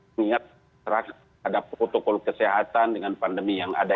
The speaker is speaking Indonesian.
mengingat ada protokol kesehatan dengan pandemi yang ada